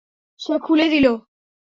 সে খুলে দিলো?